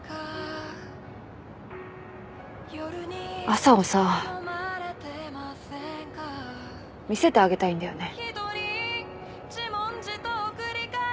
朝をさ見せてあげたいんだよね。